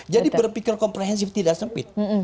jadi berpikir komprehensif tidak sempit